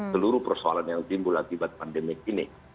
seluruh persoalan yang timbul akibat pandemi ini